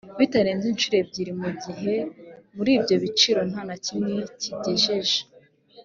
bitarenze inshuro ebyiri mu gihe muri ibyo biciro nta na kimwe kigejeje